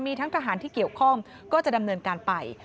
มีทั้งทหารที่เกี่ยวข้องก็จะดำเนินการไป